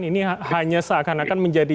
ini hanya seakan akan menjadi